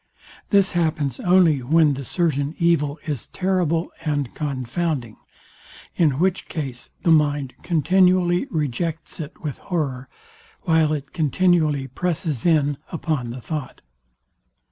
This happens only when the certain evil is terrible and confounding; in which case the mind continually rejects it with horror, while it continually presses in upon the thought.